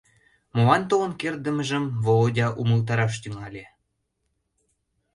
Молан толын кертдымыжым Володя умылтараш тӱҥале.